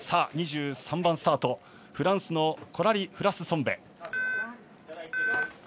２３番スタート、フランスのコラリ・フラッスソムベ。